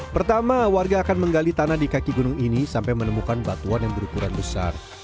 pertama warga akan menggali tanah di kaki gunung ini sampai menemukan batuan yang berukuran besar